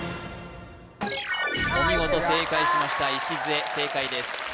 お見事正解しましたいしずえ正解です・